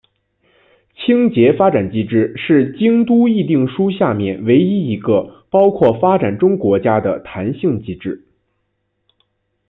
清洁发展机制是京都议定书下面唯一一个包括发展中国家的弹性机制。